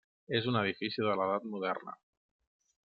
És un edifici de l'edat moderna.